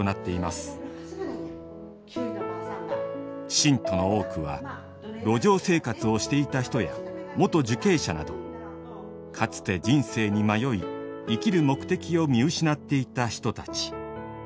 信徒の多くは路上生活をしていた人や元受刑者などかつて人生に迷い生きる目的を見失っていた人たち。